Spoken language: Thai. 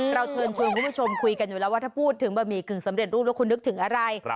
เชิญชวนคุณผู้ชมคุยกันอยู่แล้วว่าถ้าพูดถึงบะหมี่กึ่งสำเร็จรูปแล้วคุณนึกถึงอะไร